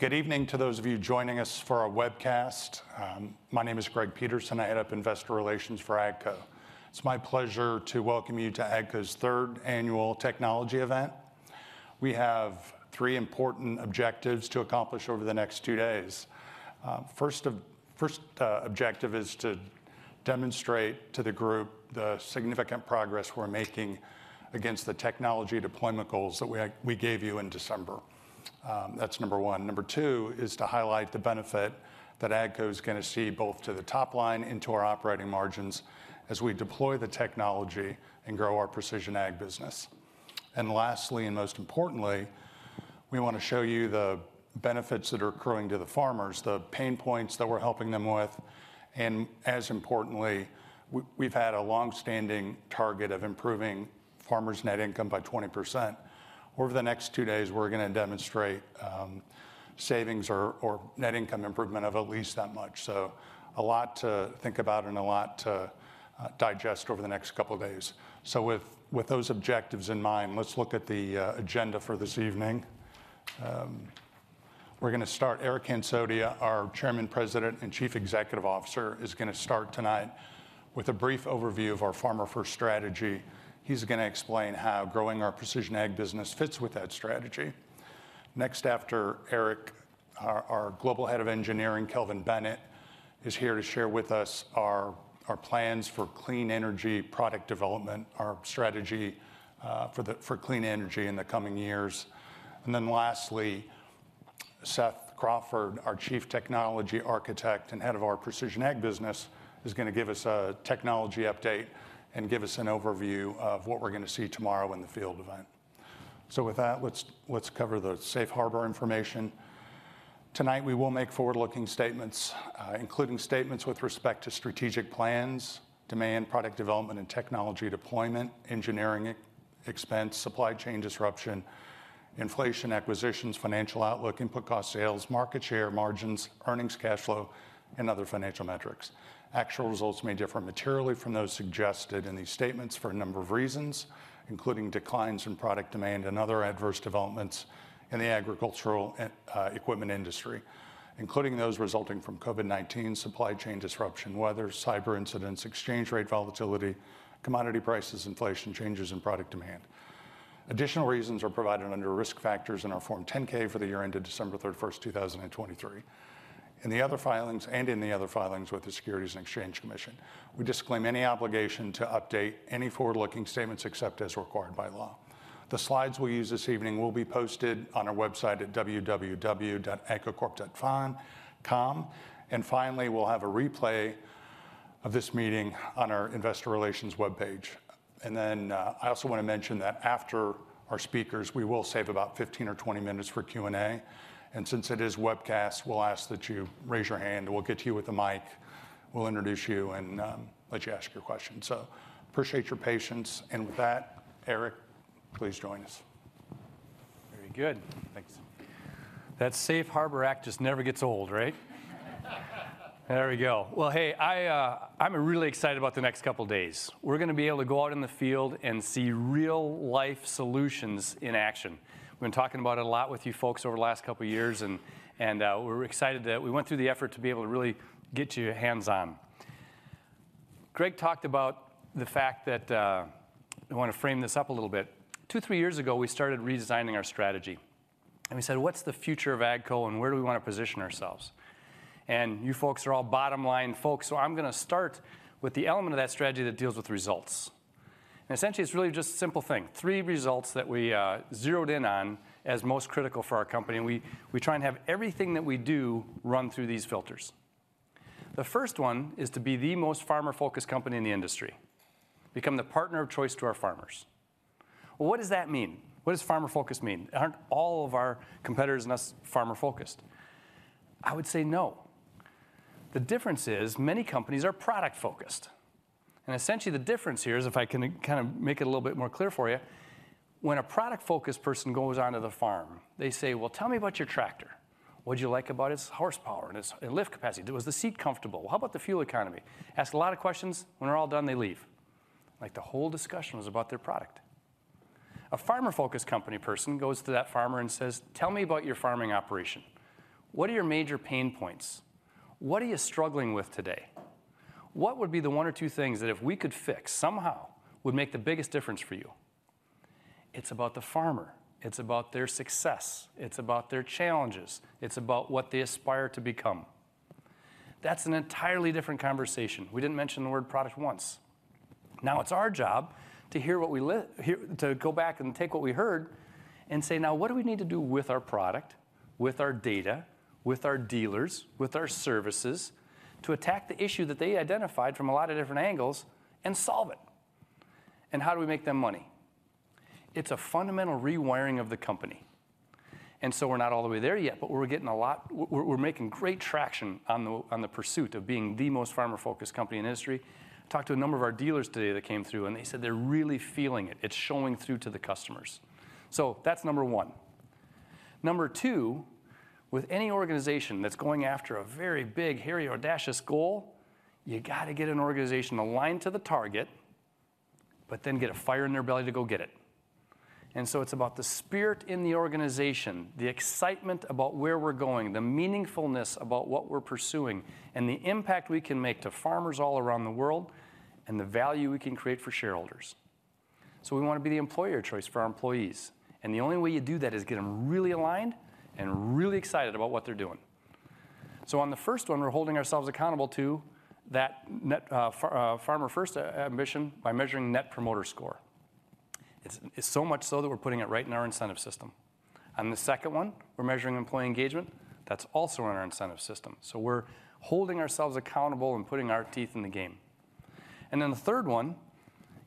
Good evening to those of you joining us for our webcast. My name is Greg Peterson. I head up Investor Relations for AGCO. It's my pleasure to welcome you to AGCO's third annual technology event. We have three important objectives to accomplish over the next two days. First, objective is to demonstrate to the group the significant progress we're making against the technology deployment goals that we gave you in December. That's number one. Number two is to highlight the benefit that AGCO is gonna see both to the top line and to our operating margins as we deploy the technology and grow our precision ag business. Lastly, and most importantly, we wanna show you the benefits that are accruing to the farmers, the pain points that we're helping them with, and as importantly, we've had a long-standing target of improving farmers' net income by 20%. Over the next two days, we're gonna demonstrate savings or net income improvement of at least that much. A lot to think about and a lot to digest over the next couple of days. With those objectives in mind, let's look at the agenda for this evening. We're gonna start. Eric Hansotia, our Chairman, President, and Chief Executive Officer, is gonna start tonight with a brief overview of our Farmer-First strategy. He's gonna explain how growing our precision ag business fits with that strategy. After Eric Hansotia, our global head of engineering, Kelvin Bennett, is here to share with us our plans for clean energy product development, our strategy for clean energy in the coming years. Lastly, Seth Crawford, our chief technology architect and head of our Precision Ag busines, is gonna give us a technology update and give us an overview of what we're gonna see tomorrow in the field event. With that, let's cover the safe harbor information. Tonight, we will make forward-looking statements, including statements with respect to strategic plans, demand, product development and technology deployment, engineering e-expense, supply chain disruption, inflation, acquisitions, financial outlook, input cost, sales, market share, margins, earnings, cash flow, and other financial metrics. Actual results may differ materially from those suggested in these statements for a number of reasons, including declines in product demand and other adverse developments in the agricultural and equipment industry, including those resulting from COVID-19, supply chain disruption, weather, cyber incidents, exchange rate volatility, commodity prices, inflation, changes in product demand. Additional reasons are provided under risk factors in our Form 10-K for the year ended December 31st, 2023, and in the other filings with the Securities and Exchange Commission. We disclaim any obligation to update any forward-looking statements except as required by law. The slides we'll use this evening will be posted on our website at www.agcocorp.com. Finally, we'll have a replay of this meeting on our investor relations webpage. Then, I also wanna mention that after our speakers, we will save about 15 or 20 minutes for Q&A. Since it is webcast, we'll ask that you raise your hand, and we'll get to you with the mic. We'll introduce you and let you ask your question. Appreciate your patience, and with that, Eric, please join us. Very good. Thanks. That Safe Harbor Act just never gets old, right? There we go. Hey, I'm really excited about the next couple of days. We're gonna be able to go out in the field and see real-life solutions in action. We've been talking about it a lot with you folks over the last couple of years, and we're excited that we went through the effort to be able to really get you hands-on. Greg talked about the fact that I wanna frame this up a little bit. Two, three years ago, we started redesigning our strategy, and we said: "What's the future of AGCO, and where do we wanna position ourselves?" You folks are all bottom line folks, so I'm gonna start with the element of that strategy that deals with results. Essentially, it's really just a simple thing. Three results that we, zeroed in on as most critical for our company, and we try and have everything that we do run through these filters. The first one is to be the most farmer-focused company in the industry, become the partner of choice to our farmers. Well, what does that mean? What does farmer-focused mean? Aren't all of our competitors and us farmer-focused? I would say no. The difference is many companies are product-focused, and essentially, the difference here is, if I can kind of make it a little bit more clear for you, when a product-focused person goes onto the farm, they say: "Well, tell me about your tractor. What'd you like about its horsepower and its lift capacity? Was the seat comfortable? How about the fuel economy?" Asks a lot of questions. When they're all done, they leave. Like, the whole discussion was about their product. A farmer-focused company person goes to that farmer and says: "Tell me about your farming operation. What are your major pain points? What are you struggling with today? What would be the one or two things that, if we could fix, somehow would make the biggest difference for you?" It's about the farmer. It's about their success. It's about their challenges. It's about what they aspire to become. That's an entirely different conversation. We didn't mention the word product once. Now, it's our job to hear what we hear to go back and take what we heard and say, "Now, what do we need to do with our product, with our data, with our dealers, with our services, to attack the issue that they identified from a lot of different angles and solve it? How do we make them money?" It's a fundamental rewiring of the company. We're not all the way there yet, but we're making great traction on the pursuit of being the most farmer-focused company in the industry. Talked to a number of our dealers today that came through. They said they're really feeling it. It's showing through to the customers. That's number one. Number two, with any organization that's going after a very big, hairy, audacious goal, you got to get an organization aligned to the target. Get a fire in their belly to go get it. It's about the spirit in the organization, the excitement about where we're going, the meaningfulness about what we're pursuing, and the impact we can make to farmers all around the world, and the value we can create for shareholders. We wanna be the employer of choice for our employees, and the only way you do that is get them really aligned and really excited about what they're doing. On the first one, we're holding ourselves accountable to that net Farmer First ambition by measuring net promoter score. It's so much so that we're putting it right in our incentive system. On the second one, we're measuring employee engagement. That's also in our incentive system. We're holding ourselves accountable and putting our teeth in the game. The third one,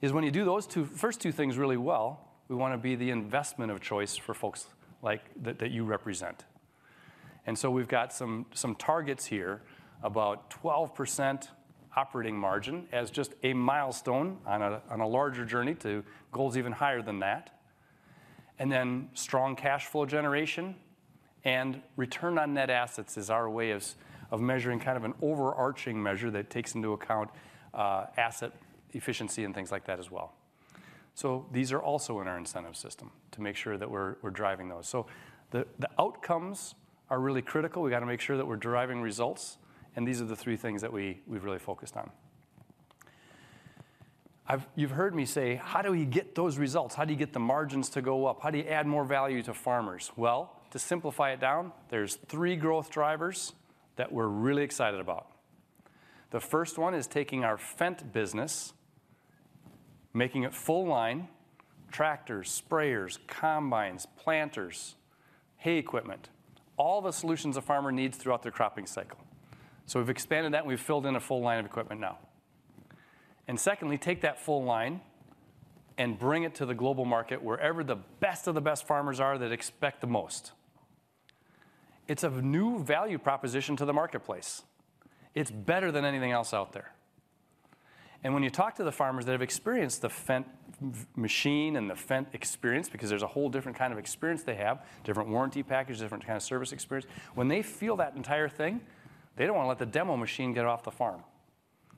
is when you do those two, first two things really well, we wanna be the investment of choice for folks like that you represent. We've got some targets here, about 12% operating margin as just a milestone on a larger journey to goals even higher than that. Strong cash flow generation, and return on net assets is our way of measuring kind of an overarching measure that takes into account asset efficiency and things like that as well. These are also in our incentive system to make sure that we're driving those. The outcomes are really critical. We've got to make sure that we're driving results, and these are the three things that we've really focused on. You've heard me say: How do we get those results? How do you get the margins to go up? How do you add more value to farmers? Well, to simplify it down, there's three growth drivers that we're really excited about. The first one is taking our Fendt business, making it full line, tractors, sprayers, combines, planters, hay equipment, all the solutions a farmer needs throughout their cropping cycle. We've expanded that, and we've filled in a full line of equipment now. Secondly, take that full line and bring it to the global market, wherever the best of the best farmers are that expect the most. It's a new value proposition to the marketplace. It's better than anything else out there, and when you talk to the farmers that have experienced the Fendt machine and the Fendt experience, because there's a whole different kind of experience they have, different warranty packages, different kind of service experience. When they feel that entire thing, they don't wanna let the demo machine get off the farm.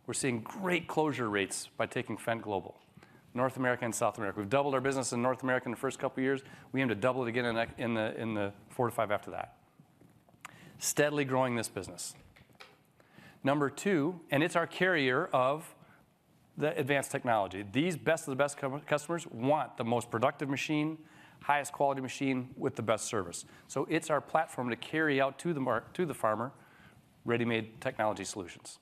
We're seeing great closure rates by taking Fendt global, North America and South America. We've doubled our business in North America in the first couple of years. We aim to double it again in the, in the four to five after that. Steadily growing this business. Number two, it's our carrier of the advanced technology. These best of the best customers want the most productive machine, highest quality machine with the best service. It's our platform to carry out to the farmer, ready-made technology solutions.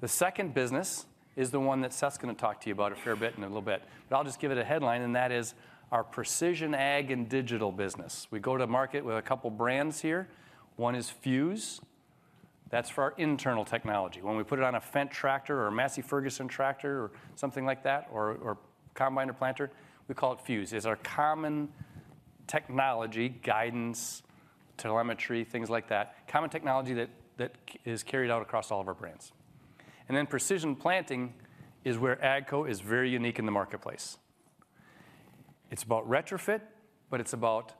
The second business is the one that Seth's gonna talk to you about a fair bit in a little bit, but I'll just give it a headline, and that is our precision ag and digital business. We go to market with a couple of brands here. One is Fuse. That's for our internal technology. When we put it on a Fendt tractor or a Massey Ferguson tractor or something like that, or combine or planter, we call it Fuse. It's our common technology, guidance, telemetry, things like that, common technology that is carried out across all of our brands. Precision Planting is where AGCO is very unique in the marketplace. It's about retrofit, but it's about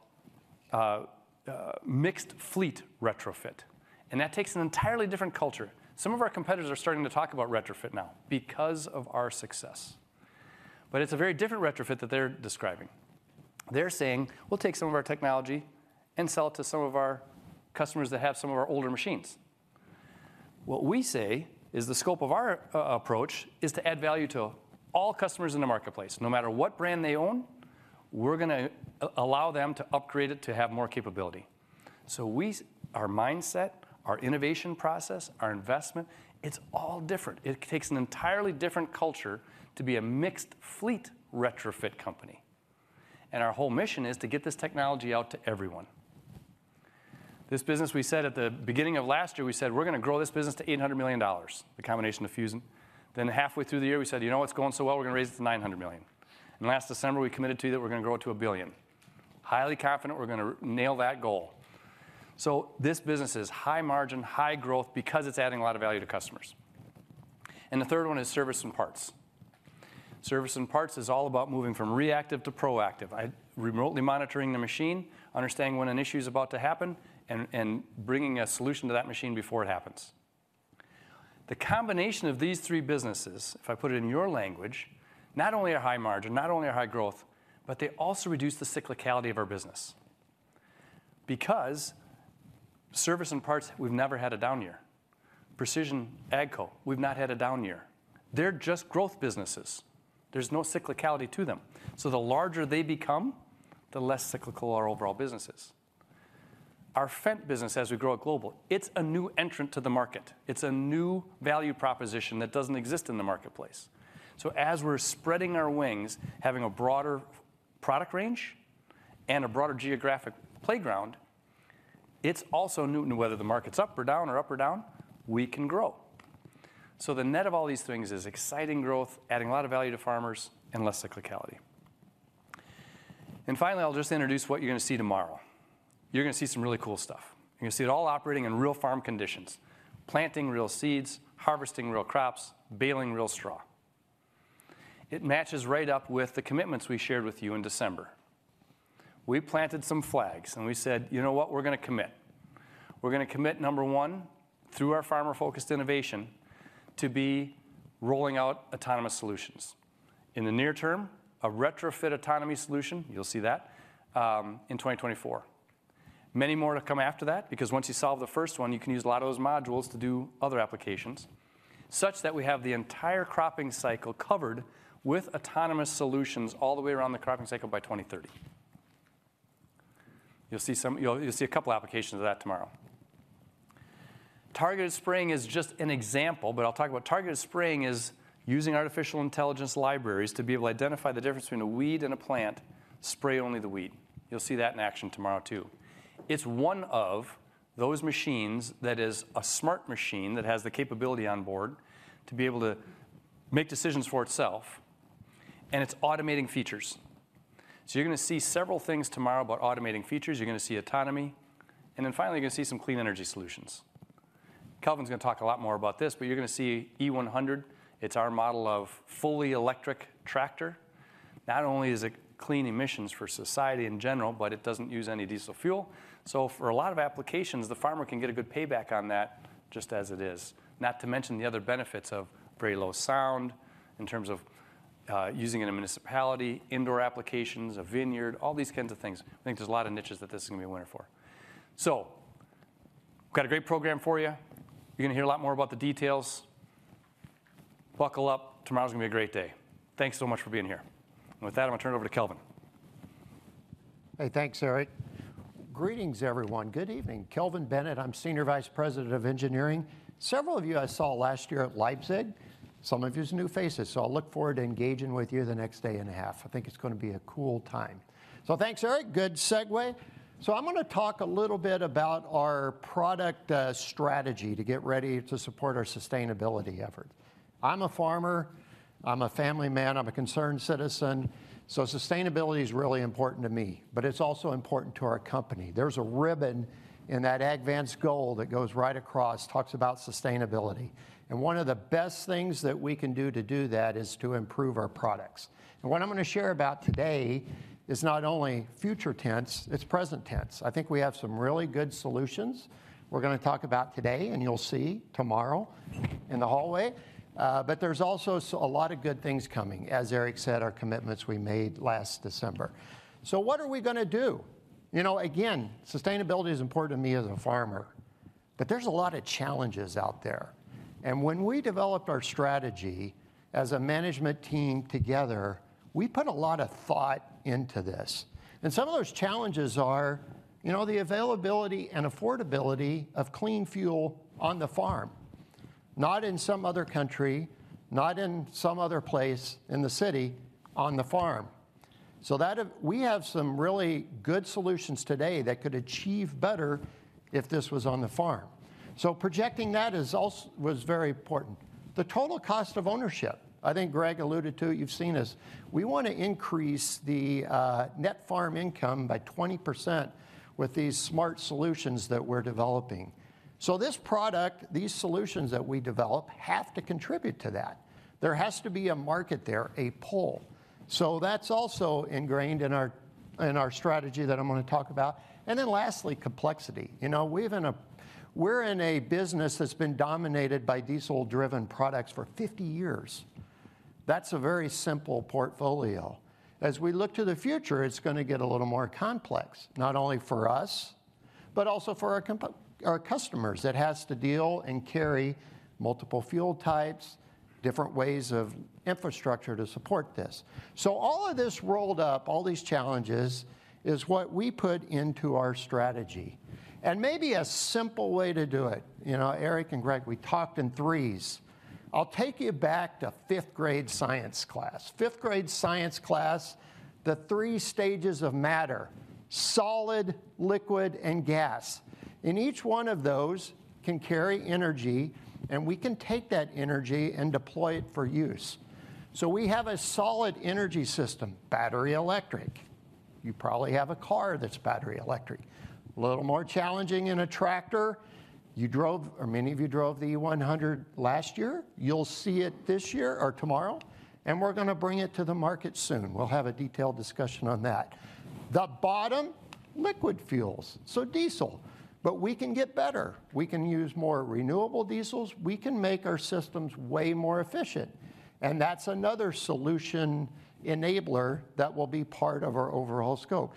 mixed fleet retrofit, and that takes an entirely different culture. Some of our competitors are starting to talk about retrofit now because of our success, but it's a very different retrofit that they're describing. They're saying: We'll take some of our technology and sell it to some of our customers that have some of our older machines. What we say is the scope of our approach is to add value to all customers in the marketplace. No matter what brand they own, we're gonna allow them to upgrade it to have more capability. Our mindset, our innovation process, our investment, it's all different. It takes an entirely different culture to be a mixed fleet retrofit company, and our whole mission is to get this technology out to everyone. This business, we said at the beginning of last year, we said, "We're gonna grow this business to $800 million," the combination of Fuse. Halfway through the year, we said, "You know, it's going so well, we're gonna raise it to $900 million." Last December, we committed to you that we're gonna grow it to $1 billion. Highly confident we're gonna nail that goal. This business is high margin, high growth because it's adding a lot of value to customers. The third one is service and parts. Service and parts is all about moving from reactive to proactive. Remotely monitoring the machine, understanding when an issue is about to happen, and bringing a solution to that machine before it happens. The combination of these three businesses, if I put it in your language, not only are high margin, not only are high growth, but they also reduce the cyclicality of our business. Service and parts, we've never had a down year. Precision AGCO, we've not had a down year. They're just growth businesses. There's no cyclicality to them. The larger they become, the less cyclical our overall business is. Our Fendt business, as we grow it global, it's a new entrant to the market. It's a new value proposition that doesn't exist in the marketplace. As we're spreading our wings, having a broader product range and a broader geographic playground, it's also new, and whether the market's up or down or up or down, we can grow. The net of all these things is exciting growth, adding a lot of value to farmers, and less cyclicality. Finally, I'll just introduce what you're gonna see tomorrow. You're gonna see some really cool stuff. You're gonna see it all operating in real farm conditions, planting real seeds, harvesting real crops, baling real straw. It matches right up with the commitments we shared with you in December. We planted some flags, and we said, "You know what? We're gonna commit." We're gonna commit, number one, through our farmer-focused innovation, to be rolling out autonomous solutions. In the near term, a retrofit autonomy solution, you'll see that in 2024. Many more to come after that, because once you solve the first one, you can use a lot of those modules to do other applications, such that we have the entire cropping cycle covered with autonomous solutions all the way around the cropping cycle by 2030. You'll see a couple applications of that tomorrow. Targeted spraying is just an example, but I'll talk about targeted spraying is using artificial intelligence libraries to be able to identify the difference between a weed and a plant, spray only the weed. You'll see that in action tomorrow, too. It's one of those machines that is a smart machine that has the capability on board to be able to make decisions for itself, and it's automating features. You're going to see several things tomorrow about automating features, you're going to see autonomy, and then finally, you're going to see some clean energy solutions. Kelvin's going to talk a lot more about this, but you're going to see e100. It's our model of fully electric tractor. Not only is it clean emissions for society in general, but it doesn't use any diesel fuel. For a lot of applications, the farmer can get a good payback on that just as it is. Not to mention the other benefits of very low sound, in terms of using in a municipality, indoor applications, a vineyard, all these kinds of things. I think there's a lot of niches that this is going to be a winner for. We've got a great program for you. You're going to hear a lot more about the details. Buckle up, tomorrow's going to be a great day. Thanks so much for being here. With that, I'm gonna turn it over to Kelvin. Hey, thanks, Eric. Greetings, everyone. Good evening. Kelvin Bennett, I'm Senior Vice President of Engineering. Several of you I saw last year at Leipzig. Some of you is new faces. I look forward to engaging with you the next day and a half. I think it's gonna be a cool time. Thanks, Eric. Good segue. I'm gonna talk a little bit about our product strategy to get ready to support our sustainability effort. I'm a farmer, I'm a family man, I'm a concerned citizen. Sustainability is really important to me, but it's also important to our company. There's a ribbon in that Agvance goal that goes right across, talks about sustainability. One of the best things that we can do to do that is to improve our products. What I'm gonna share about today is not only future tense, it's present tense. I think we have some really good solutions we're gonna talk about today, and you'll see tomorrow in the hallway. There's also a lot of good things coming, as Eric said, our commitments we made last December. What are we gonna do? You know, again, sustainability is important to me as a farmer, but there's a lot of challenges out there. When we developed our strategy as a management team together, we put a lot of thought into this. Some of those challenges are, you know, the availability and affordability of clean fuel on the farm. Not in some other country, not in some other place in the city, on the farm. We have some really good solutions today that could achieve better if this was on the farm. Projecting that is also, was very important. The total cost of ownership, I think Greg alluded to it, you've seen this. We wanna increase the net farm income by 20% with these smart solutions that we're developing. This product, these solutions that we develop, have to contribute to that. There has to be a market there, a pull. That's also ingrained in our, in our strategy that I'm gonna talk about. Lastly, complexity. You know, we're in a business that's been dominated by diesel-driven products for 50 years. That's a very simple portfolio. As we look to the future, it's gonna get a little more complex, not only for us, but also for our customers that has to deal and carry multiple fuel types, different ways of infrastructure to support this. All of this rolled up, all these challenges, is what we put into our strategy. Maybe a simple way to do it, you know, Eric and Greg, we talked in threes. I'll take you back to fifth grade science class. Fifth grade science class, the three stages of matter: solid, liquid, and gas. Each one of those can carry energy, and we can take that energy and deploy it for use. We have a solid energy system, battery, electric. You probably have a car that's battery electric. A little more challenging in a tractor. You drove, or many of you drove the e100 last year. You'll see it this year or tomorrow, and we're gonna bring it to the market soon. We'll have a detailed discussion on that. The bottom, liquid fuels, so diesel, but we can get better. We can use more renewable diesels. We can make our systems way more efficient. That's another solution enabler that will be part of our overall scope.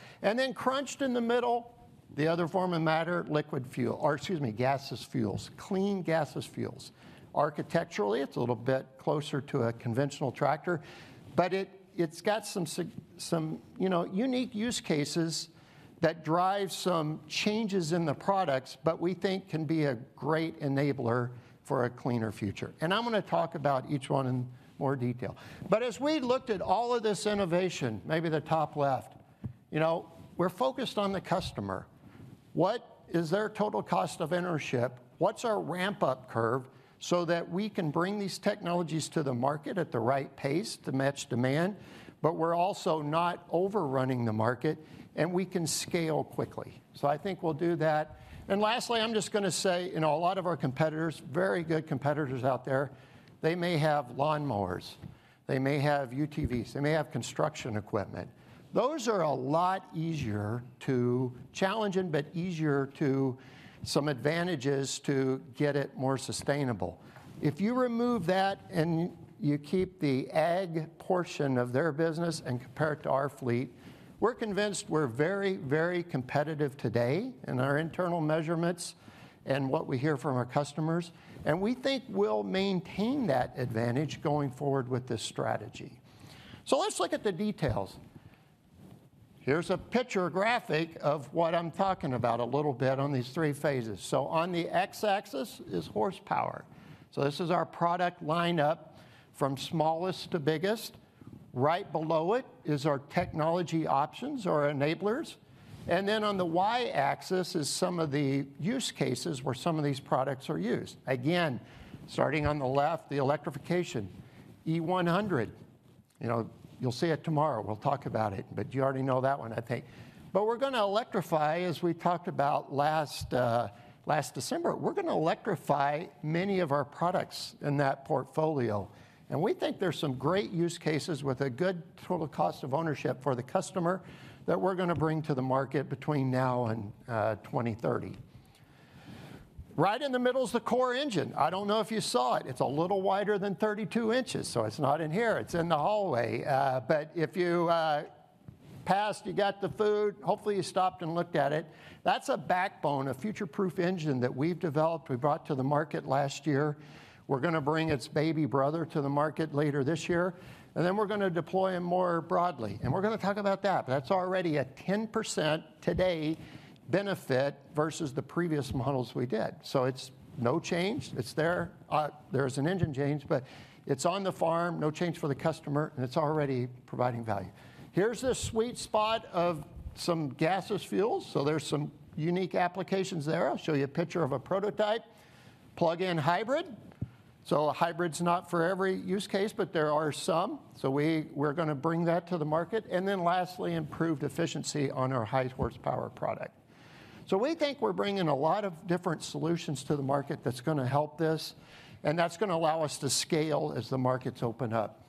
Crunched in the middle, the other form of matter, gaseous fuels, clean gaseous fuels. Architecturally, it's a little bit closer to a conventional tractor, but it's got some, you know, unique use cases that drive some changes in the products, but we think can be a great enabler for a cleaner future. I'm gonna talk about each one in more detail. As we looked at all of this innovation, maybe the top left, you know, we're focused on the customer. What is their total cost of ownership? What's our ramp-up curve so that we can bring these technologies to the market at the right pace to match demand, but we're also not overrunning the market, and we can scale quickly? I think we'll do that. Lastly, I'm just gonna say, you know, a lot of our competitors, very good competitors out there, they may have lawnmowers, they may have UTVs, they may have construction equipment. Those are a lot easier to challenging, but easier to some advantages to get it more sustainable. If you remove that and you keep the ag portion of their business and compare it to our fleet, we're convinced we're very, very competitive today in our internal measurements and what we hear from our customers, and we think we'll maintain that advantage going forward with this strategy. Let's look at the details. Here's a picture graphic of what I'm talking about a little bit on these three phases. On the x-axis is horsepower. This is our product lineup from smallest to biggest. Right below it is our technology options or enablers. On the y-axis is some of the use cases where some of these products are used. Again, starting on the left, the electrification, E100. You know, you'll see it tomorrow. We'll talk about it, you already know that one, I think. We're gonna electrify, as we talked about last December, we're gonna electrify many of our products in that portfolio. We think there's some great use cases with a good total cost of ownership for the customer that we're gonna bring to the market between now and 2030. Right in the middle is the core engine. I don't know if you saw it. It's a little wider than 32 inches, so it's not in here, it's in the hallway. If you passed, you got the food, hopefully, you stopped and looked at it. That's a backbone, a future-proof engine that we've developed, we brought to the market last year. We're gonna bring its baby brother to the market later this year, and then we're gonna deploy him more broadly, and we're gonna talk about that. That's already a 10%, today, benefit versus the previous models we did. It's no change. It's there. There's an engine change, but it's on the farm. No change for the customer, and it's already providing value. Here's the sweet spot of some gaseous fuels, so there's some unique applications there. I'll show you a picture of a prototype. Plug-in hybrid, a hybrid's not for every use case, but there are some, we're gonna bring that to the market. Lastly, improved efficiency on our high horsepower product. We think we're bringing a lot of different solutions to the market that's gonna help this, and that's gonna allow us to scale as the markets open up.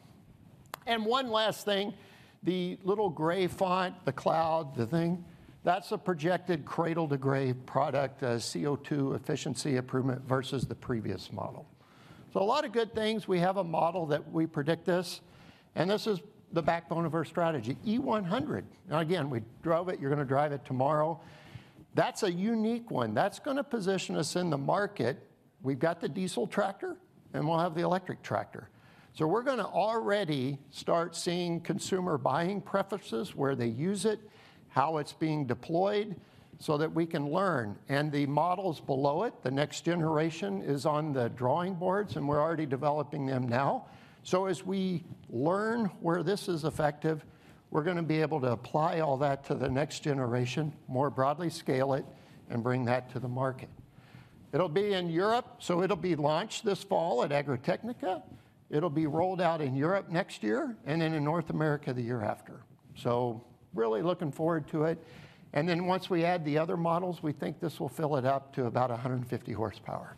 One last thing, the little gray font, the cloud, the thing, that's a projected cradle to grave product, CO2 efficiency improvement versus the previous model. A lot of good things. We have a model that we predict this, and this is the backbone of our strategy, E100. Again, we drove it. You're gonna drive it tomorrow. That's a unique one. That's gonna position us in the market. We've got the diesel tractor, and we'll have the electric tractor. We're gonna already start seeing consumer buying preferences, where they use it, how it's being deployed, so that we can learn. The models below it, the next generation, is on the drawing boards, and we're already developing them now. As we learn where this is effective, we're gonna be able to apply all that to the next generation, more broadly scale it, and bring that to the market. It'll be in Europe, so it'll be launched this fall at AGRITECHNICA. It'll be rolled out in Europe next year and then in North America the year after. Really looking forward to it, and then once we add the other models, we think this will fill it up to about 150 horsepower.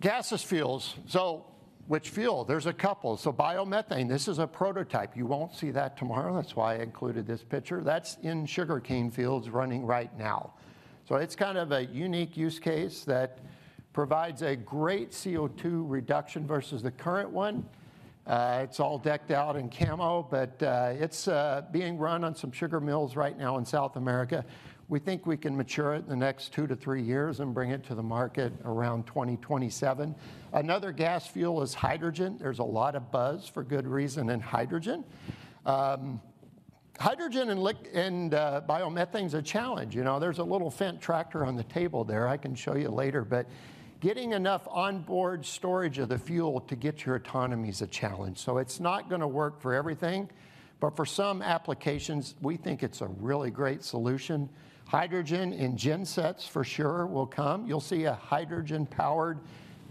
Gaseous fuels, so which fuel? There's a couple. Biomethane, this is a prototype. You won't see that tomorrow. That's why I included this picture. That's in sugarcane fields running right now. It's kind of a unique use case that provides a great CO2 reduction versus the current one. It's all decked out in camo, but it's being run on some sugar mills right now in South America. We think we can mature it in the next two to three years and bring it to the market around 2027. Another gas fuel is hydrogen. There's a lot of buzz, for good reason, in hydrogen. Hydrogen and biomethane is a challenge. You know, there's a little Fendt tractor on the table there. I can show you later. Getting enough onboard storage of the fuel to get your autonomy is a challenge. It's not gonna work for everything, but for some applications, we think it's a really great solution. Hydrogen in gen sets, for sure, will come. You'll see a hydrogen-powered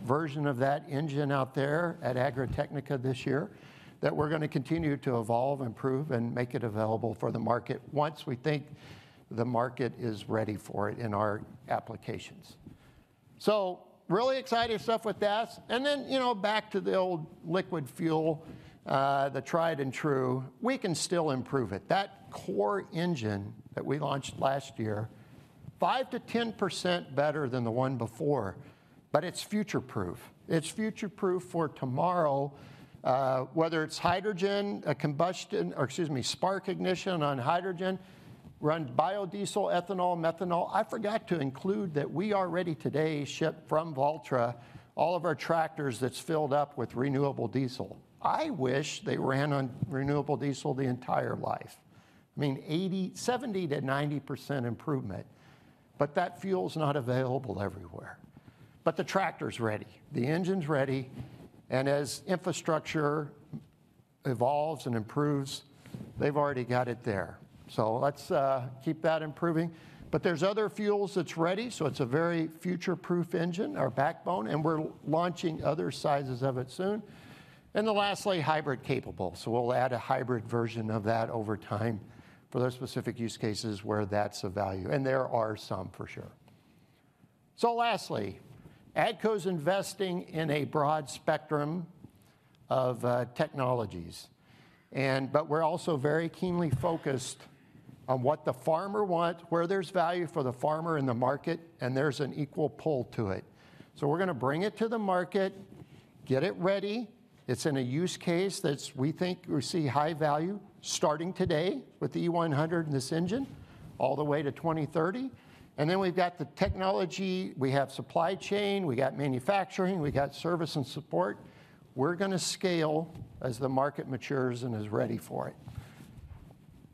version of that engine out there at AGRITECHNICA this year that we're gonna continue to evolve, improve, and make it available for the market once we think the market is ready for it in our applications. Really exciting stuff with that. You know, back to the old liquid fuel, the tried and true. We can still improve it. That core engine that we launched last year, 5%-10% better than the one before, but it's future-proof. It's future-proof for tomorrow, whether it's hydrogen, spark ignition on hydrogen, run biodiesel, ethanol, methanol. I forgot to include that we are ready today to ship from Valtra, all of our tractors that's filled up with renewable diesel. I wish they ran on renewable diesel their entire life. I mean, 80%, 70%-90% improvement. That fuel's not available everywhere. The tractor's ready, the engine's ready, and as infrastructure evolves and improves, they've already got it there. Let's keep that improving. There's other fuels that's ready, so it's a very future-proof engine, our backbone, and we're launching other sizes of it soon. Lastly, hybrid capable, so we'll add a hybrid version of that over time for those specific use cases where that's of value, and there are some for sure. Lastly, AGCO's investing in a broad spectrum of technologies, but we're also very keenly focused on what the farmer want, where there's value for the farmer in the market, and there's an equal pull to it. We're gonna bring it to the market, get it ready. It's in a use case that's we think we see high value, starting today with the e100 and this engine, all the way to 2030. We've got the technology, we have supply chain, we got manufacturing, we got service and support. We're gonna scale as the market matures and is ready for it.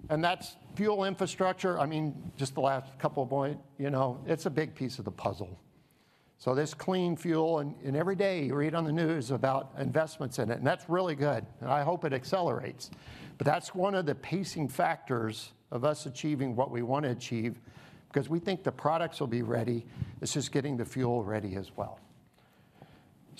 That's fuel infrastructure. I mean, just the last couple of point, you know, it's a big piece of the puzzle. There's clean fuel, and every day you read on the news about investments in it, and that's really good, and I hope it accelerates. That's one of the pacing factors of us achieving what we want to achieve, because we think the products will be ready. It's just getting the fuel ready as well.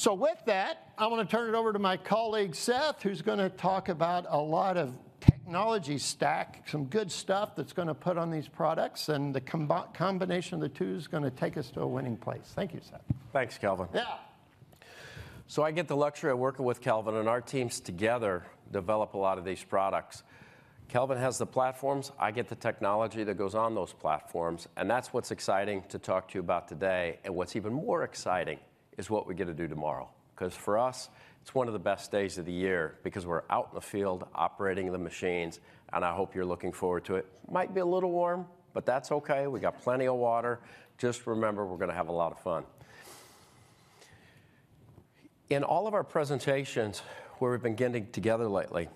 With that, I want to turn it over to my colleague, Seth, who's going to talk about a lot of technology stack, some good stuff that's going to put on these products, and the combination of the two is going to take us to a winning place. Thank you, Seth. Thanks, Kelvin. Yeah. I get the luxury of working with Kelvin, and our teams together develop a lot of these products. Kelvin has the platforms, I get the technology that goes on those platforms, and that's what's exciting to talk to you about today. What's even more exciting is what we get to do tomorrow, 'cause for us, it's one of the best days of the year because we're out in the field operating the machines, and I hope you're looking forward to it. Might be a little warm, but that's okay. We got plenty of water. Just remember, we're gonna have a lot of fun. In all of our presentations where we've been getting together lately,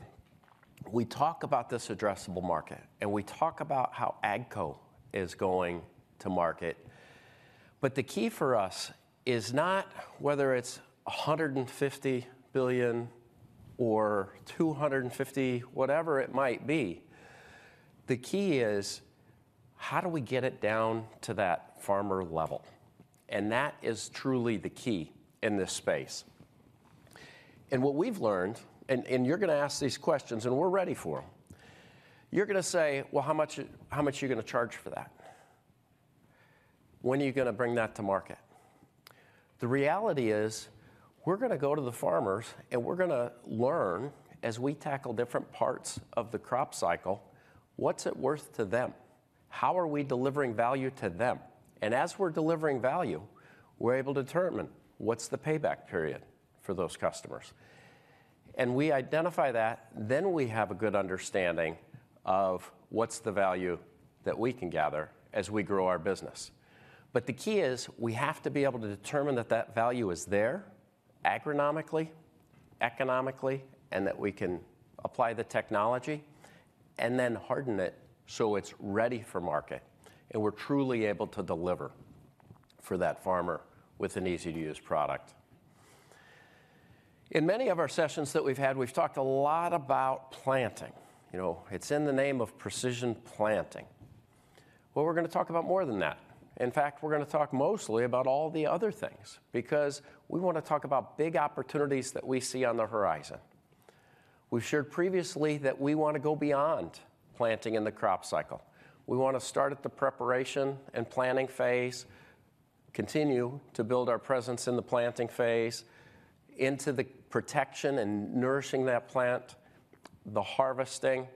we talk about this addressable market, and we talk about how AGCO is going to market. The key for us is not whether it's $150 billion or $250 billion, whatever it might be. The key is, how do we get it down to that farmer level? That is truly the key in this space. What we've learned, and you're gonna ask these questions, and we're ready for them. You're gonna say: "Well, how much are you gonna charge for that? When are you gonna bring that to market?" The reality is, we're gonna go to the farmers, and we're gonna learn, as we tackle different parts of the crop cycle, what's it worth to them? How are we delivering value to them? As we're delivering value, we're able to determine what's the payback period for those customers. We identify that, then we have a good understanding of what's the value that we can gather as we grow our business. The key is, we have to be able to determine that that value is there agronomically, economically, and that we can apply the technology and then harden it so it's ready for market, and we're truly able to deliver for that farmer with an easy-to-use product. In many of our sessions that we've had, we've talked a lot about planting. You know, it's in the name of Precision Planting. Well, we're gonna talk about more than that. In fact, we're gonna talk mostly about all the other things, because we wanna talk about big opportunities that we see on the horizon. We've shared previously that we want to go beyond planting in the crop cycle. We want to start at the preparation and planning phase, continue to build our presence in the planting phase, into the protection and nourishing that plant, the harvesting,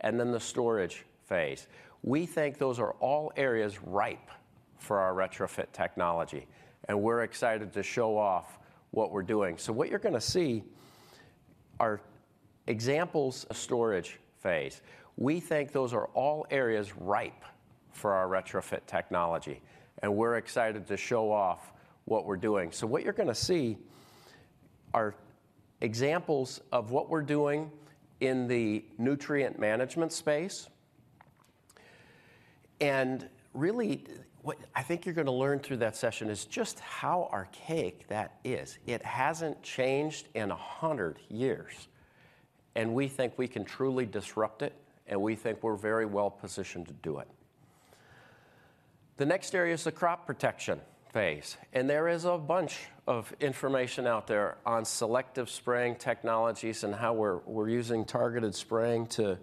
and then the storage phase. We think those are all areas ripe for our retrofit technology, and we're excited to show off what we're doing. What you're gonna see are examples of what we're doing in the nutrient management space. Really, what I think you're gonna learn through that session is just how archaic that is. It hasn't changed in 100 years, and we think we can truly disrupt it, and we think we're very well positioned to do it. The next area is the crop protection phase. There is a bunch of information out there on selective spraying technologies and how we're using targeted spraying to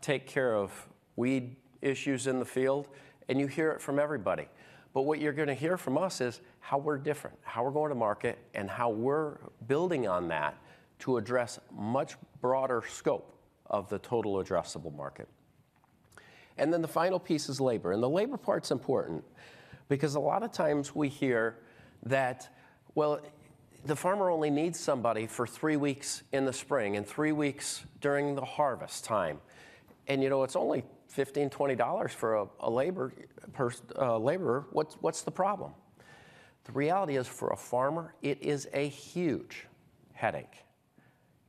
take care of weed issues in the field. You hear it from everybody. What you're gonna hear from us is how we're different, how we're going to market, and how we're building on that to address much broader scope of the total addressable market. The final piece is labor, and the labor part's important because a lot of times we hear that, well, the farmer only needs somebody for three weeks in the spring and three weeks during the harvest time. You know, it's only $15, $20 for a labor per laborer. What's the problem? The reality is, for a farmer, it is a huge headache.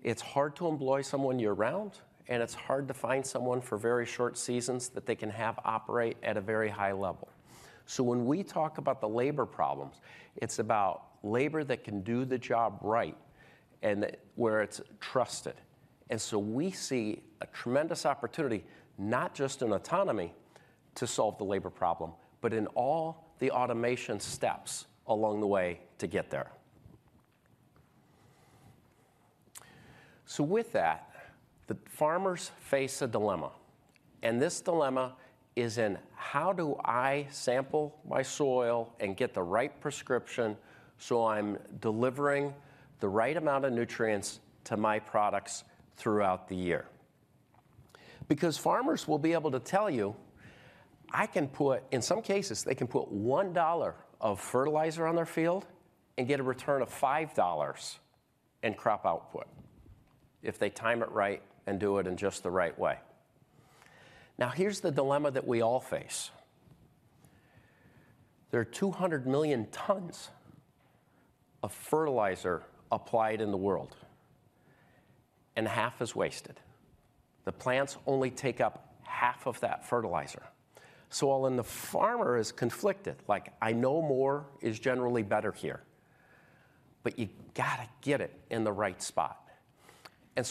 It's hard to employ someone year-round, and it's hard to find someone for very short seasons that they can have operate at a very high level. When we talk about the labor problems, it's about labor that can do the job right and that where it's trusted. We see a tremendous opportunity, not just in autonomy to solve the labor problem, but in all the automation steps along the way to get there. With that, the farmers face a dilemma, and this dilemma is in: how do I sample my soil and get the right prescription, so I'm delivering the right amount of nutrients to my products throughout the year? Because farmers will be able to tell you, I can put in some cases, they can put $1 of fertilizer on their field and get a return of $5 in crop output if they time it right and do it in just the right way. Now, here's the dilemma that we all face. There are 200 million tons of fertilizer applied in the world, and half is wasted. The plants only take up half of that fertilizer. Well, and the farmer is conflicted, like, "I know more is generally better here," but you got to get it in the right spot.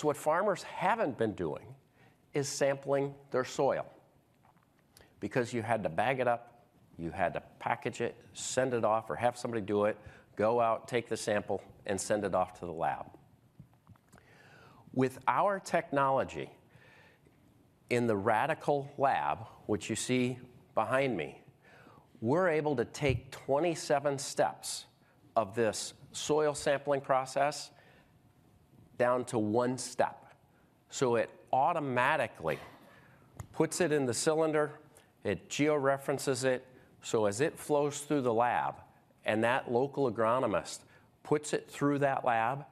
What farmers haven't been doing is sampling their soil, because you had to bag it up, you had to package it, send it off, or have somebody do it, go out, take the sample, and send it off to the lab. With our technology in the Radicle lab, which you see behind me, we're able to take 27 steps of this soil sampling process down to one step. It automatically puts it in the cylinder, it geo-references it, so as it flows through the lab, and that local agronomist puts it through that lab,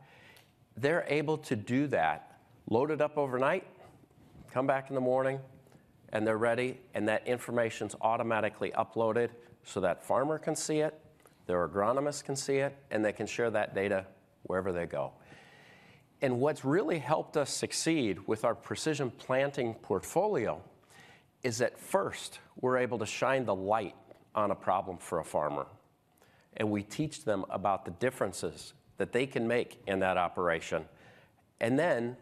they're able to do that, load it up overnight, come back in the morning, and they're ready, and that information's automatically uploaded so that farmer can see it, their agronomist can see it, and they can share that data wherever they go. What's really helped us succeed with our Precision Planting portfolio is that first, we're able to shine the light on a problem for a farmer, and we teach them about the differences that they can make in that operation, and then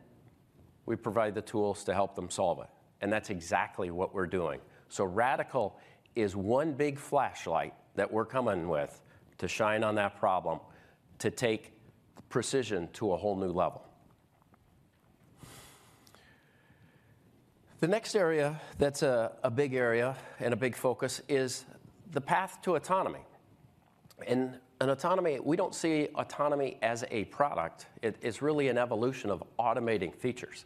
we provide the tools to help them solve it, and that's exactly what we're doing. Radicle is one big flashlight that we're coming with to shine on that problem, to take precision to a whole new level. The next area that's a big area and a big focus is the path to autonomy. In autonomy, we don't see autonomy as a product. It is really an evolution of automating features.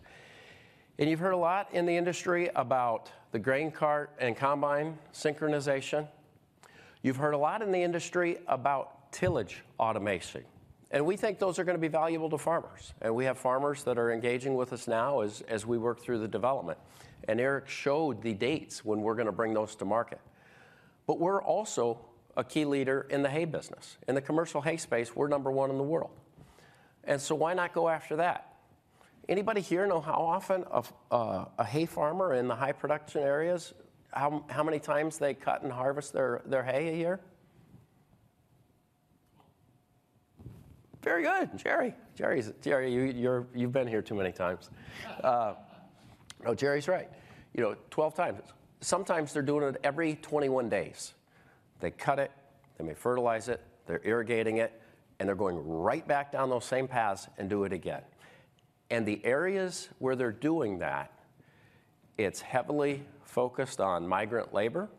You've heard a lot in the industry about the grain cart and combine synchronization. You've heard a lot in the industry about tillage automation, and we think those are gonna be valuable to farmers, and we have farmers that are engaging with us now as we work through the development. Eric showed the dates when we're gonna bring those to market. We're also a key leader in the hay business. In the commercial hay space, we're number one in the world. Why not go after that? Anybody here know how often a hay farmer in the high production areas, how many times they cut and harvest their hay a year? Very good, Jerry! Jerry, you've been here too many times. No, Jerry's right. You know, 12 times. Sometimes they're doing it every 21 days. They cut it, they may fertilize it, they're irrigating it, and they're going right back down those same paths and do it again. The areas where they're doing that, it's heavily focused on migrant labor,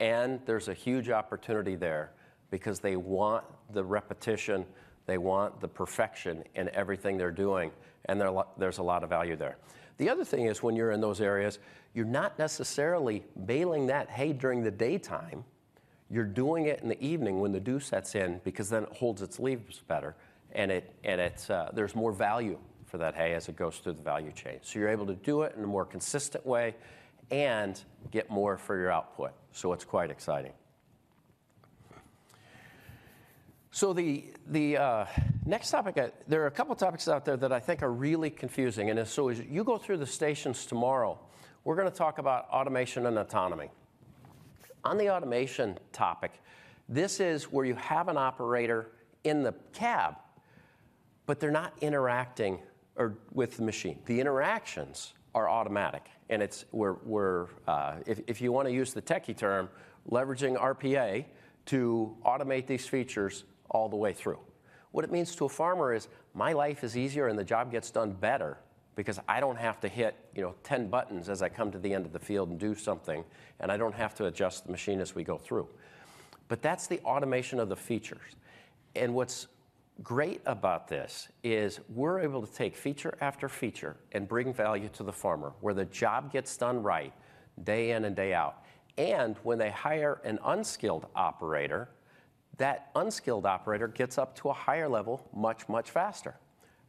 and there's a huge opportunity there because they want the repetition, they want the perfection in everything they're doing, and there's a lot of value there. The other thing is, when you're in those areas, you're not necessarily baling that hay during the daytime. You're doing it in the evening when the dew sets in, because then it holds its leaves better and it, and it's. There's more value for that hay as it goes through the value chain. You're able to do it in a more consistent way and get more for your output, so it's quite exciting. The next topic, there are a couple of topics out there that I think are really confusing, as you go through the stations tomorrow, we're gonna talk about automation and autonomy. On the automation topic, this is where you have an operator in the cab, but they're not interacting with the machine. The interactions are automatic, it's where we're, if you want to use the techie term, leveraging RPA to automate these features all the way through. What it means to a farmer is, my life is easier, and the job gets done better because I don't have to hit, you know, 10 buttons as I come to the end of the field and do something, and I don't have to adjust the machine as we go through. That's the automation of the features. What's great about this is we're able to take feature after feature and bring value to the farmer, where the job gets done right, day in and day out. When they hire an unskilled operator, that unskilled operator gets up to a higher level, much faster.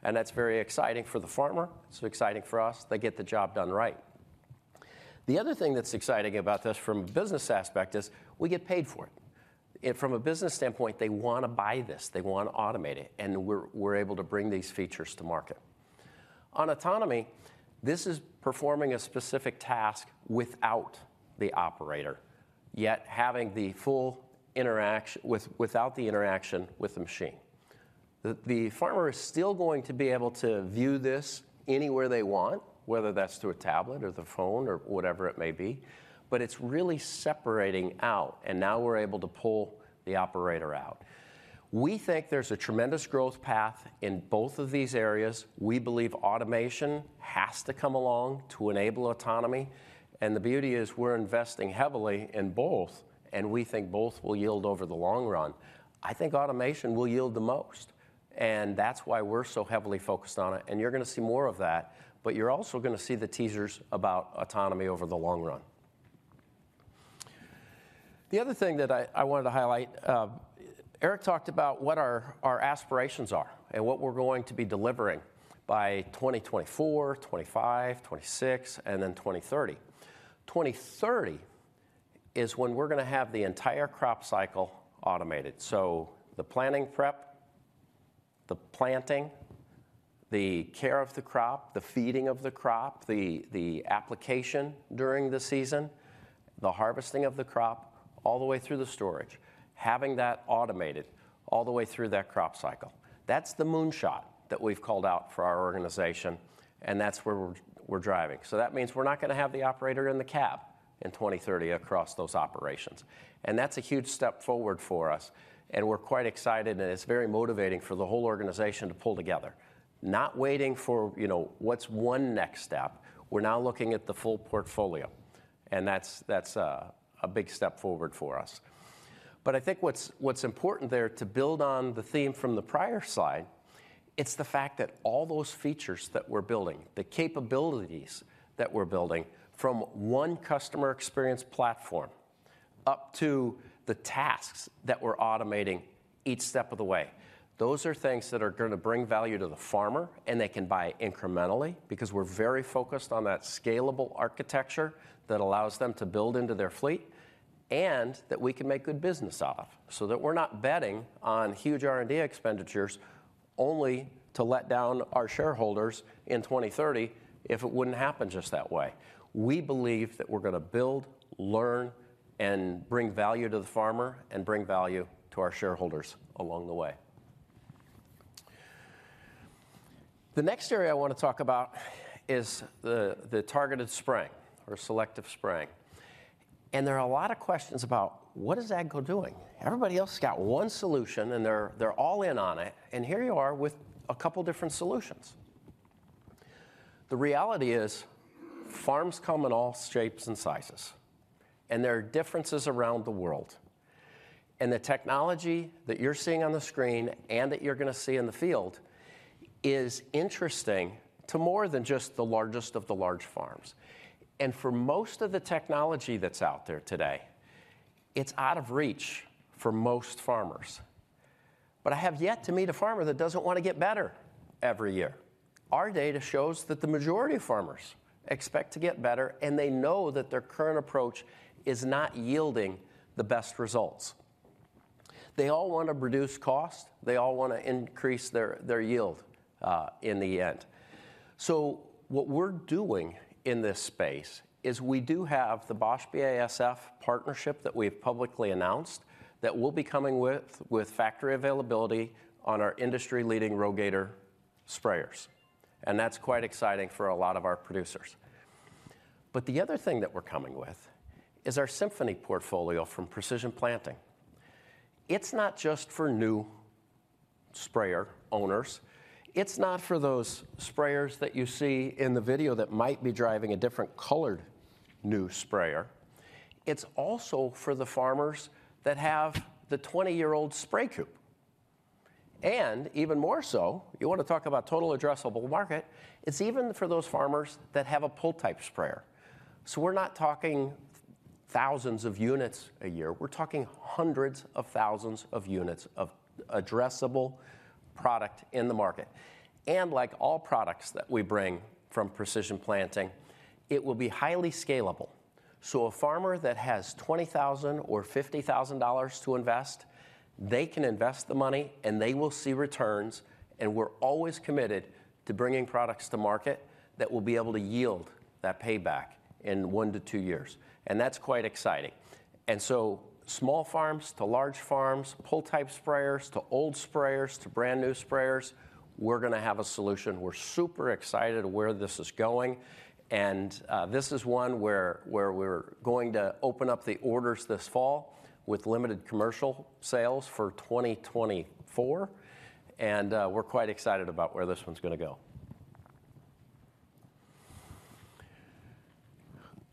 That's very exciting for the farmer. It's exciting for us. They get the job done right. The other thing that's exciting about this from a business aspect is, we get paid for it. From a business standpoint, they wanna buy this, they wanna automate it, and we're able to bring these features to market. On autonomy, this is performing a specific task without the operator, yet having the full without the interaction with the machine. The farmer is still going to be able to view this anywhere they want, whether that's through a tablet or the phone or whatever it may be, but it's really separating out, and now we're able to pull the operator out. We think there's a tremendous growth path in both of these areas. We believe automation has to come along to enable autonomy, and the beauty is we're investing heavily in both, and we think both will yield over the long run. I think automation will yield the most, and that's why we're so heavily focused on it, and you're gonna see more of that, but you're also gonna see the teasers about autonomy over the long run. The other thing that I wanted to highlight, Eric talked about what our aspirations are, and what we're going to be delivering by 2024, 2025, 2026, and then 2030. 2030 is when we're gonna have the entire crop cycle automated. The planning prep, the planting, the care of the crop, the feeding of the crop, the application during the season, the harvesting of the crop, all the way through the storage, having that automated all the way through that crop cycle. That's the moonshot that we've called out for our organization, and that's where we're driving. That means we're not gonna have the operator in the cab in 2030 across those operations. That's a huge step forward for us, and we're quite excited, and it's very motivating for the whole organization to pull together. Not waiting for, you know, what's one next step, we're now looking at the full portfolio, and that's a big step forward for us. I think what's important there, to build on the theme from the prior slide, it's the fact that all those features that we're building, the capabilities that we're building, from one customer experience platform up to the tasks that we're automating each step of the way, those are things that are gonna bring value to the farmer, and they can buy incrementally, because we're very focused on that scalable architecture that allows them to build into their fleet, and that we can make good business off. That we're not betting on huge R&D expenditures only to let down our shareholders in 2030 if it wouldn't happen just that way. We believe that we're gonna build, learn, and bring value to the farmer, and bring value to our shareholders along the way. The next area I wanna talk about is the targeted spraying or selective spraying. There are a lot of questions about: What is AGCO doing? Everybody else has got one solution, and they're all in on it, and here you are with a couple different solutions. The reality is, farms come in all shapes and sizes, and there are differences around the world, and the technology that you're seeing on the screen and that you're gonna see in the field is interesting to more than just the largest of the large farms. For most of the technology that's out there today, it's out of reach for most farmers. I have yet to meet a farmer that doesn't wanna get better every year. Our data shows that the majority of farmers expect to get better, and they know that their current approach is not yielding the best results. They all wanna reduce cost, they all wanna increase their yield in the end. What we're doing in this space is we do have the Bosch BASF partnership that we've publicly announced, that we'll be coming with factory availability on our industry-leading RoGator sprayers, and that's quite exciting for a lot of our producers. The other thing that we're coming with is our Symphony portfolio from Precision Planting. It's not just for new sprayer owners, it's not for those sprayers that you see in the video that might be driving a different colored new sprayer. It's also for the farmers that have the 20-year-old Spra-Coupe. Even more so, you wanna talk about total addressable market, it's even for those farmers that have a pull-type sprayer. We're not talking thousands of units a year, we're talking hundreds of thousands of units of addressable product in the market. Like all products that we bring from Precision Planting, it will be highly scalable. A farmer that has $20,000 or $50,000 to invest, they can invest the money and they will see returns, and we're always committed to bringing products to market that will be able to yield that payback in one to two years, and that's quite exciting. Small farms to large farms, pull-type sprayers, to old sprayers, to brand-new sprayers, we're gonna have a solution. We're super excited where this is going, and this is one where we're going to open up the orders this fall with limited commercial sales for 2024, and we're quite excited about where this one's gonna go.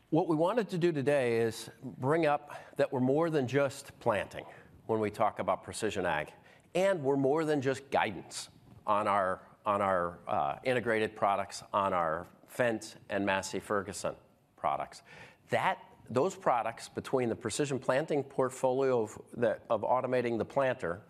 What we wanted to do today is bring up that we're more than just planting when we talk about precision ag, and we're more than just guidance on our integrated products, on our Fendt and Massey Ferguson products. Those products, between the Precision Planting portfolio of that, of automating the planter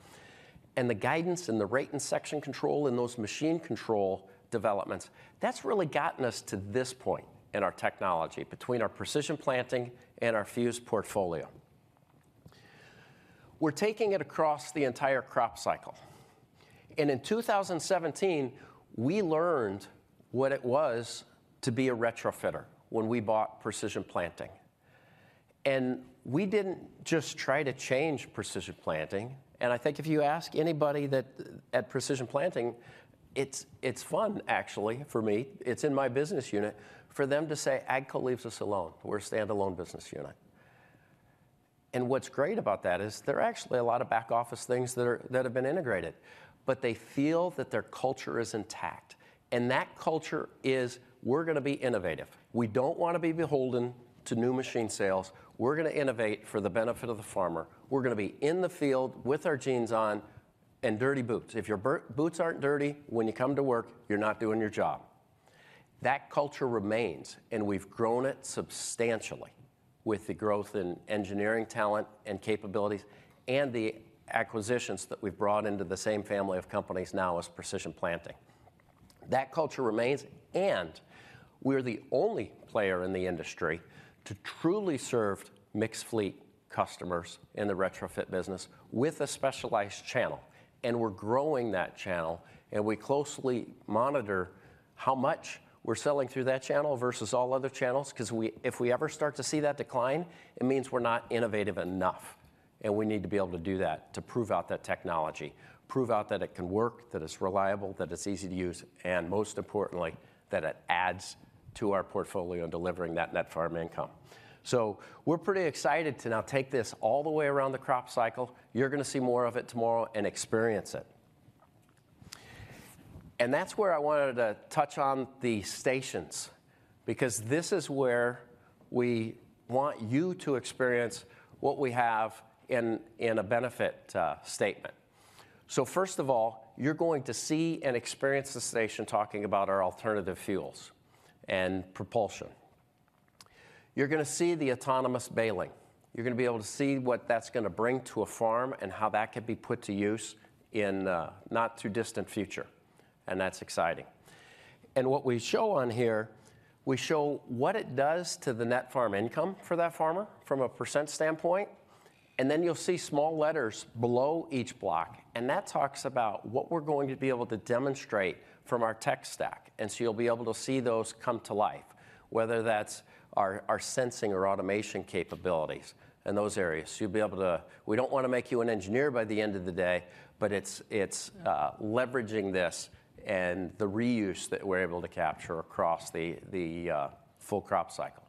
and the guidance and the rate and section control and those machine control developments, that's really gotten us to this point in our technology, between our Precision Planting and our FUSE portfolio. We're taking it across the entire crop cycle. In 2017, we learned what it was to be a retrofitter when we bought Precision Planting. We didn't just try to change Precision Planting, and I think if you ask anybody that at Precision Planting, it's fun, actually, for me, it's in my business unit, for them to say, "AGCO leaves us alone. We're a standalone business unit." What's great about that is there are actually a lot of back office things that have been integrated, but they feel that their culture is intact, and that culture is, we're gonna be innovative. We don't wanna be beholden to new machine sales. We're gonna innovate for the benefit of the farmer. We're gonna be in the field with our jeans on and dirty boots. If your boots aren't dirty when you come to work, you're not doing your job. That culture remains, and we've grown it substantially with the growth in engineering talent and capabilities and the acquisitions that we've brought into the same family of companies now as Precision Planting. That culture remains, and we're the only player in the industry to truly serve mixed fleet customers in the retrofit business with a specialized channel, and we're growing that channel, and we closely monitor how much we're selling through that channel versus all other channels, 'cause if we ever start to see that decline, it means we're not innovative enough, and we need to be able to do that to prove out that technology, prove out that it can work, that it's reliable, that it's easy to use, and most importantly, that it adds to our portfolio in delivering that net farm income. We're pretty excited to now take this all the way around the crop cycle. You're gonna see more of it tomorrow and experience it. That's where I wanted to touch on the stations, because this is where we want you to experience what we have in a benefit statement. First of all, you're going to see and experience the station talking about our alternative fuels and propulsion. You're gonna see the autonomous baling. You're gonna be able to see what that's gonna bring to a farm and how that could be put to use in a not too distant future, and that's exciting. What we show on here, we show what it does to the net farm income for that farmer from a % standpoint. You'll see small letters below each block. That talks about what we're going to be able to demonstrate from our tech stack. You'll be able to see those come to life, whether that's our sensing or automation capabilities in those areas. We don't wanna make you an engineer by the end of the day, but it's leveraging this and the reuse that we're able to capture across the full crop cycle.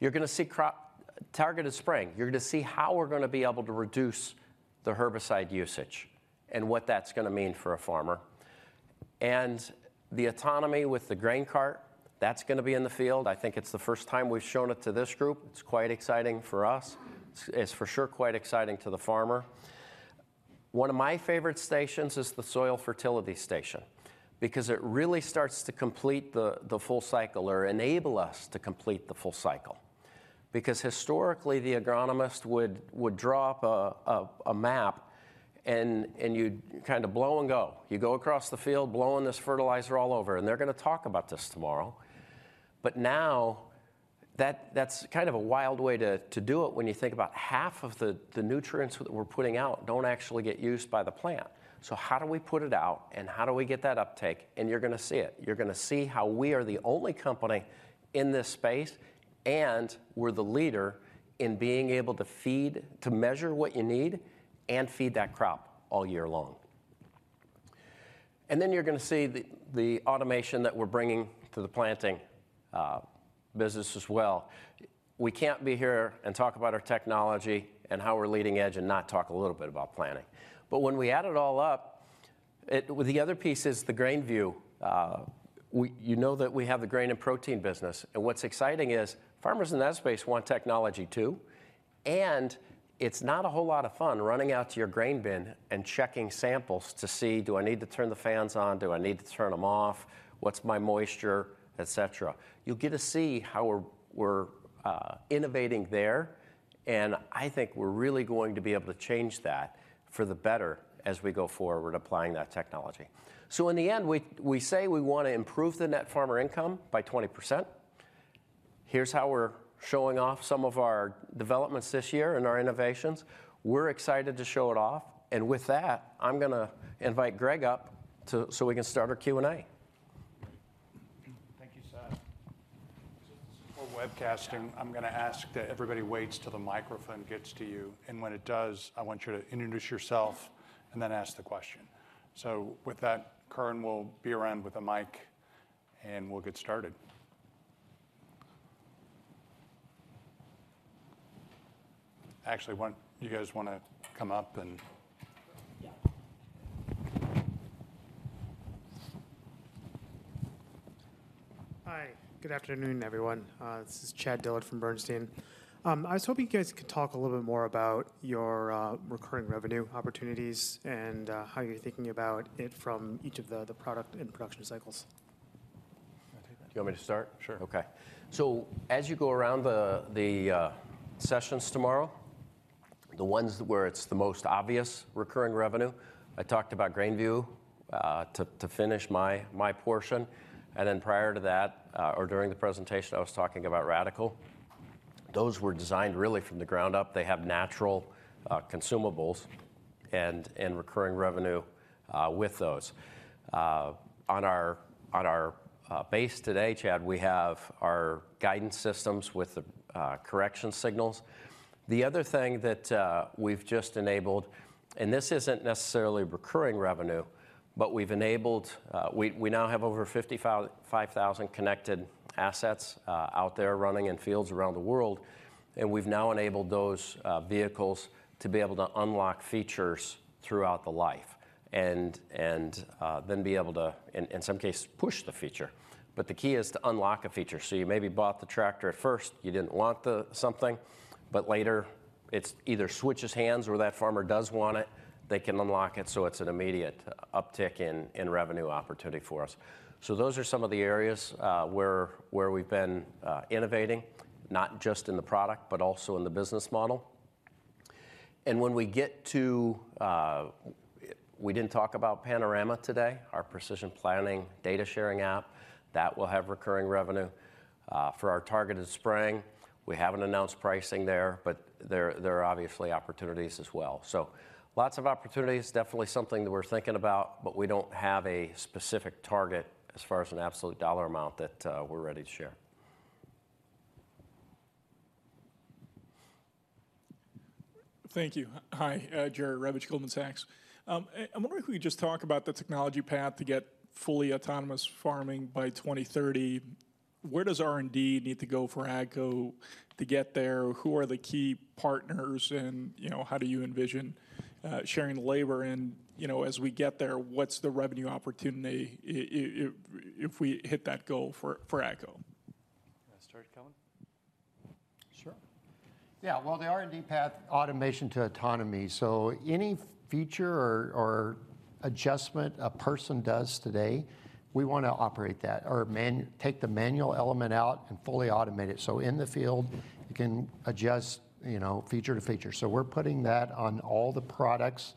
You're gonna see targeted spraying. You're gonna see how we're gonna be able to reduce the herbicide usage and what that's gonna mean for a farmer. The autonomy with the grain cart, that's gonna be in the field. I think it's the first time we've shown it to this group. It's quite exciting for us. It's for sure, quite exciting to the farmer. One of my favorite stations is the soil fertility station, because it really starts to complete the full cycle or enable us to complete the full cycle. Historically, the agronomist would draw up a map and you'd kind of blow and go. You go across the field, blowing this fertilizer all over, and they're gonna talk about this tomorrow. Now, that's kind of a wild way to do it when you think about half of the nutrients we're putting out don't actually get used by the plant. How do we put it out, and how do we get that uptake? You're gonna see it. You're gonna see how we are the only company in this space, and we're the leader in being able to measure what you need and feed that crop all year long. You're gonna see the automation that we're bringing to the planting business as well. We can't be here and talk about our technology and how we're leading edge and not talk a little bit about planting. When we add it all up, the other piece is the grainView. You know that we have the Grain & Protein business, and what's exciting is farmers in that space want technology, too, and it's not a whole lot of fun running out to your grain bin and checking samples to see, do I need to turn the fans on? Do I need to turn them off? What's my moisture, et cetera. You'll get to see how we're innovating there, and I think we're really going to be able to change that for the better as we go forward applying that technology. In the end, we say we wanna improve the net farmer income by 20%. Here's how we're showing off some of our developments this year and our innovations. We're excited to show it off. With that, I'm gonna invite Greg up so we can start our Q&A. Thank you, Seth. For webcasting, I'm gonna ask that everybody waits till the microphone gets to you, and when it does, I want you to introduce yourself and then ask the question. With that, Curran will be around with a mic, and we'll get started. Actually, why don't you guys wanna come up and- Yeah. Hi, good afternoon, everyone. This is Chad Dillard from Bernstein. I was hoping you guys could talk a little bit more about your recurring revenue opportunities and how you're thinking about it from each of the product and production cycles. Do you want me to start? Sure. As you go around the sessions tomorrow, the ones where it's the most obvious recurring revenue, I talked about GrainView to finish my portion. Prior to that or during the presentation, I was talking about Radicle Agronomics. Those were designed really from the ground up. They have natural consumables and recurring revenue with those. On our base today, Chad, we have our guidance systems with the correction signals. The other thing that we've just enabled, and this isn't necessarily recurring revenue, but we've enabled, we now have over 55,000 connected assets out there running in fields around the world, and we've now enabled those vehicles to be able to unlock features throughout the life, and then be able to, in some cases, push the feature. The key is to unlock a feature. You maybe bought the tractor at first, you didn't want the something, but later, it's either switches hands or that farmer does want it, they can unlock it, so it's an immediate uptick in revenue opportunity for us. Those are some of the areas where we've been innovating, not just in the product, but also in the business model. When we get to... We didn't talk about Panorama today, our Precision Planting data sharing app, that will have recurring revenue. For our targeted spring, we haven't announced pricing there, but there are obviously opportunities as well. Lots of opportunities, definitely something that we're thinking about, but we don't have a specific target as far as an absolute dollar amount that we're ready to share. Thank you. Hi, Jerry Revich, Goldman Sachs. I wonder if we could just talk about the technology path to get fully autonomous farming by 2030. Where does R&D need to go for AGCO to get there? Who are the key partners, and, you know, how do you envision, sharing the labor? As we get there, what's the revenue opportunity if we hit that goal for AGCO? Wanna start, Kelvin? Sure. Yeah, well, the R&D path, automation to autonomy. Any feature or adjustment a person does today, we wanna operate that or take the manual element out and fully automate it. In the field, you can adjust, you know, feature to feature. We're putting that on all the products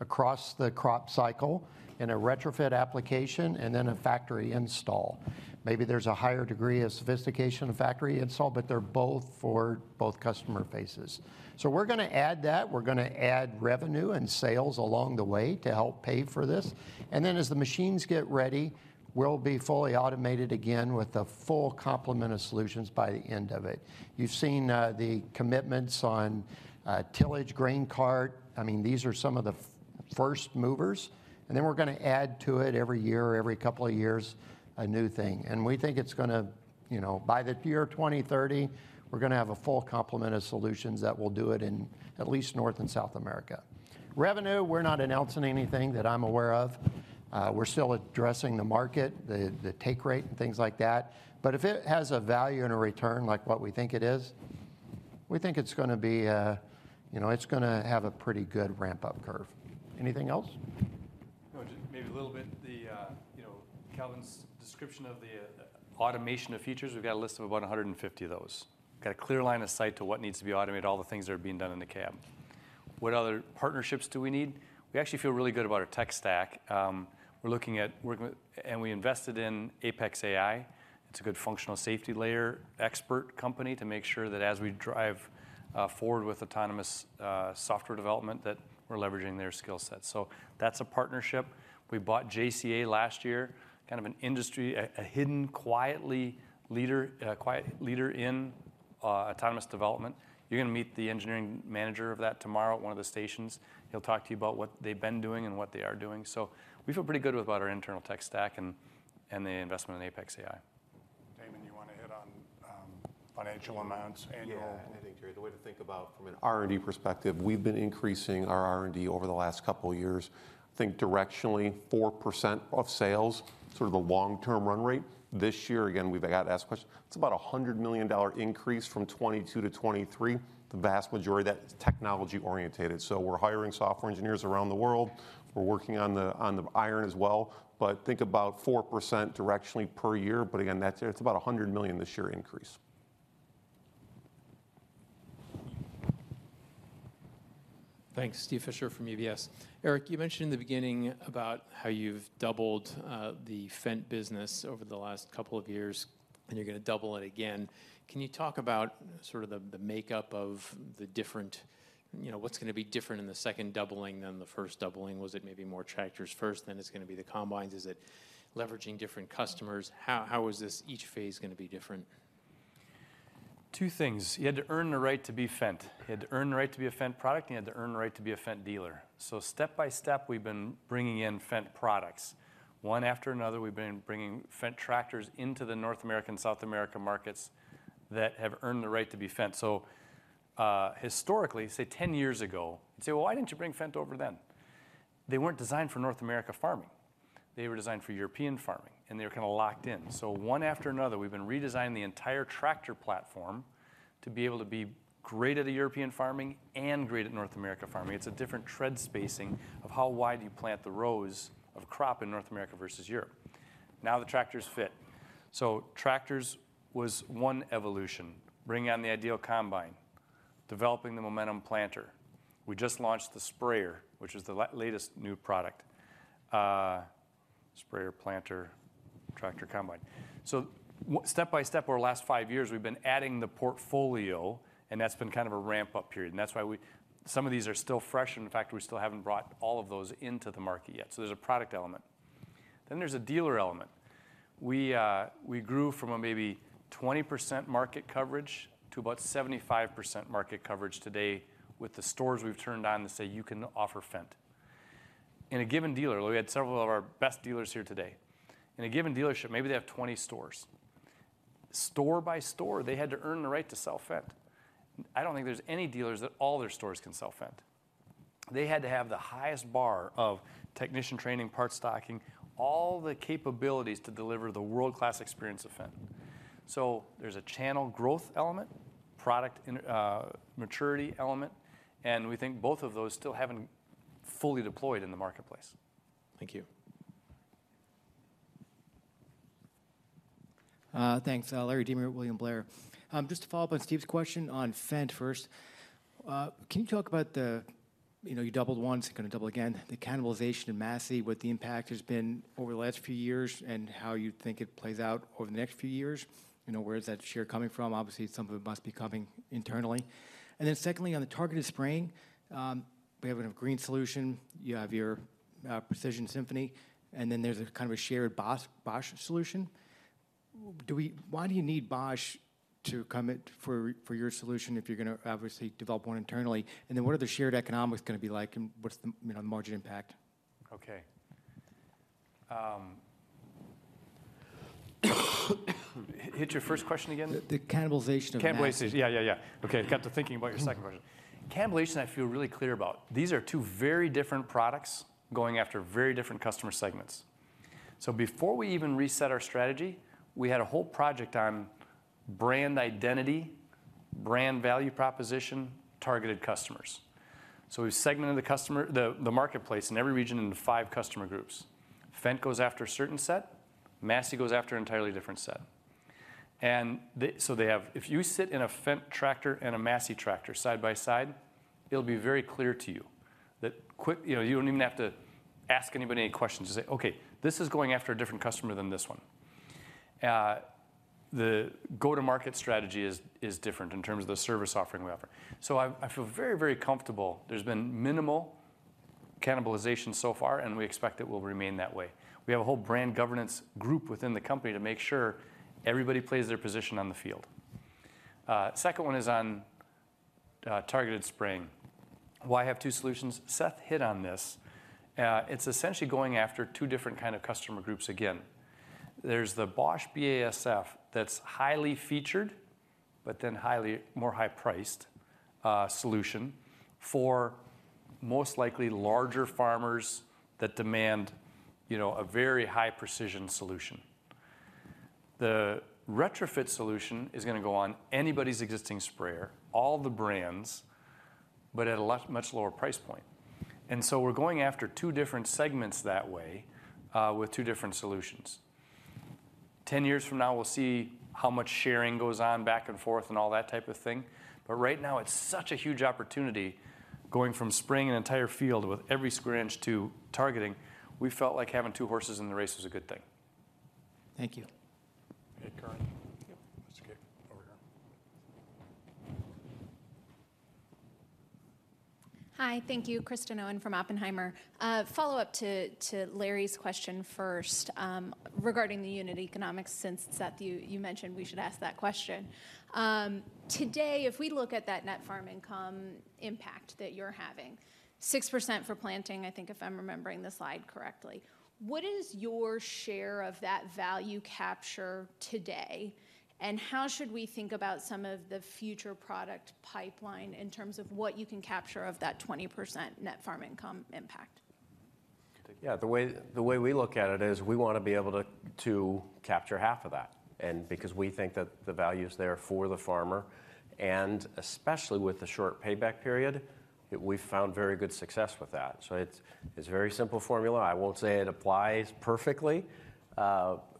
across the crop cycle in a retrofit application and then a factory install. Maybe there's a higher degree of sophistication in factory install, but they're both for both customer faces. We're gonna add that. We're gonna add revenue and sales along the way to help pay for this, and then as the machines get ready, we'll be fully automated again with a full complement of solutions by the end of it. You've seen the commitments on tillage, grain cart. I mean, these are some of the first movers. Then we're gonna add to it every year or every couple of years, a new thing. We think it's gonna, you know, by the year 2030, we're gonna have a full complement of solutions that will do it in at least North and South America. Revenue, we're not announcing anything that I'm aware of. We're still addressing the market, the take rate, and things like that. If it has a value and a return like what we think it is, we think it's gonna be a, you know, it's gonna have a pretty good ramp-up curve. Anything else? No, just maybe a little bit. The, you know, Kelvin's description of the automation of features, we've got a list of about 150 of those. Got a clear line of sight to what needs to be automated, all the things that are being done in the cab. What other partnerships do we need? We actually feel really good about our tech stack. We invested in Apex.AI. It's a good functional safety layer expert company to make sure that as we drive forward with autonomous software development, that we're leveraging their skill set. That's a partnership. We bought JCA last year, kind of an industry, a hidden, quiet leader in autonomous development. You're gonna meet the engineering manager of that tomorrow at one of the stations. He'll talk to you about what they've been doing and what they are doing. We feel pretty good with about our internal tech stack and the investment in Apex.AI. Damon, you wanna hit on, financial amounts, annual? Yeah, I think, Jerry, the way to think about from an R&D perspective, we've been increasing our R&D over the last couple of years. I think directionally, 4% of sales, sort of the long-term run rate. This year, again, we've got to ask questions. It's about a $100 million increase from 2022 to 2023. The vast majority of that is technology-orientated. We're hiring software engineers around the world. We're working on the iron as well, but think about 4% directionally per year, but again, that's, it's about a $100 million this year increase. Thanks. Steven Fisher from UBS. Eric, you mentioned in the beginning about how you've doubled the Fendt business over the last couple of years. You're gonna double it again. Can you talk about sort of the makeup of the different? You know, what's gonna be different in the second doubling than the first doubling? Was it maybe more tractors first, then it's gonna be the combines? Is it leveraging different customers? How is this, each phase, gonna be different? Two things. You had to earn the right to be Fendt. You had to earn the right to be a Fendt product, and you had to earn the right to be a Fendt dealer. Step by step, we've been bringing in Fendt products. One after another, we've been bringing Fendt tractors into the North American, South America markets that have earned the right to be Fendt. Historically, say 10 years ago, you'd say: "Well, why didn't you bring Fendt over then?" They weren't designed for North America farming. They were designed for European farming, and they were kind of locked in. One after another, we've been redesigning the entire tractor platform to be able to be great at the European farming and great at North America farming. It's a different tread spacing of how wide you plant the rows of crop in North America versus Europe. The tractors fit. Tractors was one evolution, bringing on the IDEAL combine. Developing the Momentum planter. We just launched the sprayer, which is the latest new product. Sprayer, planter, tractor, combine. Step by step, over the last five years, we've been adding the portfolio, and that's been kind of a ramp-up period, and that's why some of these are still fresh, and in fact, we still haven't brought all of those into the market yet. There's a product element. There's a dealer element. We grew from a maybe 20% market coverage to about 75% market coverage today with the stores we've turned on to say, "You can offer Fendt." In a given dealer, we had several of our best dealers here today. In a given dealership, maybe they have 20 stores. Store by store, they had to earn the right to sell Fendt. I don't think there's any dealers that all their stores can sell Fendt. They had to have the highest bar of technician training, parts stocking, all the capabilities to deliver the world-class experience of Fendt. There's a channel growth element, product and maturity element, and we think both of those still haven't fully deployed in the marketplace. Thank you. Thanks. Larry De Maria, William Blair. Just to follow up on Steve's question on Fendt first, can you talk about the... You know, you doubled once, you're gonna double again, the cannibalization of Massey, what the impact has been over the last few years, and how you think it plays out over the next few years? You know, where is that share coming from? Obviously, some of it must be coming internally. Secondly, on the targeted spraying, we have a Green Solution, you have your Precision Symphony, and then there's a kind of a shared Bosch solution. Why do you need Bosch to come in for your solution if you're gonna obviously develop one internally? What are the shared economics gonna be like, and what's the, you know, margin impact? Okay. hit your first question again? The cannibalization of Massey. Cannibalization. Yeah, yeah. Okay, I got to thinking about your second question. Cannibalization, I feel really clear about. These are two very different products going after very different customer segments. Before we even reset our strategy, we had a whole project on brand identity, brand value proposition, targeted customers. We segmented the customer, the marketplace in every region into five customer groups. Fendt goes after a certain set, Massey goes after an entirely different set. If you sit in a Fendt tractor and a Massey tractor side by side, it'll be very clear to you that quick, you know, you don't even have to ask anybody any questions to say, "Okay, this is going after a different customer than this one." The go-to market strategy is different in terms of the service offering we offer. I feel very, very comfortable. There's been minimal cannibalization so far, and we expect it will remain that way. We have a whole brand governance group within the company to make sure everybody plays their position on the field. Second one is on targeted spraying. Why have two solutions? Seth hit on this. It's essentially going after two different kind of customer groups again. There's the Bosch BASF, that's highly featured, but then highly, more high-priced solution for most likely larger farmers that demand, you know, a very high precision solution. The retrofit solution is gonna go on anybody's existing sprayer, all the brands, but at a much lower price point. We're going after two different segments that way, with two different solutions. 10 years from now, we'll see how much sharing goes on back and forth and all that type of thing, but right now it's such a huge opportunity going from spraying an entire field with every square inch to targeting. We felt like having two horses in the race was a good thing. Thank you. Hey, Karen? Yep. Okay, over here. Hi, thank you. Kristen Owen from Oppenheimer. Follow-up to Larry's question first, regarding the unit economics, since Seth, you mentioned we should ask that question. Today, if we look at that net farm income impact that you're having, 6% for planting, I think if I'm remembering the slide correctly, what is your share of that value capture today? How should we think about some of the future product pipeline in terms of what you can capture of that 20% net farm income impact? Yeah, the way we look at it is we wanna be able to capture half of that. Because we think that the value is there for the farmer, and especially with the short payback period, we've found very good success with that. It's a very simple formula. I won't say it applies perfectly,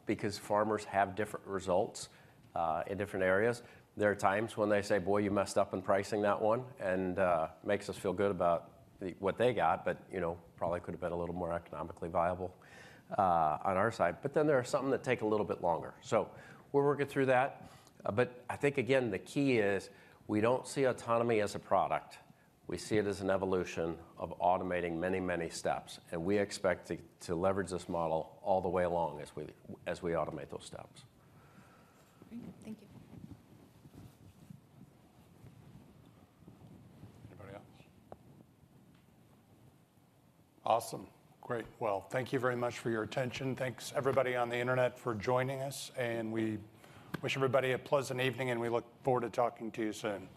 because farmers have different results in different areas. There are times when they say: "Boy, you messed up in pricing that one," and makes us feel good about what they got, but, you know, probably could have been a little more economically viable on our side. There are some that take a little bit longer. We're working through that, but I think again, the key is, we don't see autonomy as a product, we see it as an evolution of automating many, many steps, and we expect to leverage this model all the way along as we automate those steps. Thank you. Anybody else? Awesome. Great. Thank you very much for your attention. Thanks everybody on the internet for joining us. We wish everybody a pleasant evening. We look forward to talking to you soon.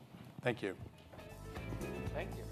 Thank you. Thank you.